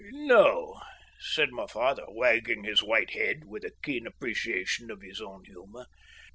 "No," said my father, wagging his white head with a keen appreciation of his own humour.